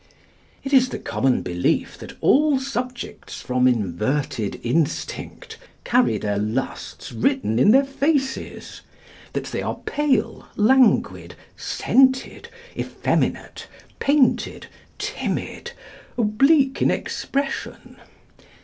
It is the common belief that all subjects from inverted instinct carry their lusts written in their faces; that they are pale, languid, scented, effeminate, painted, timid, oblique in expression.